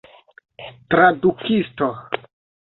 tradukisto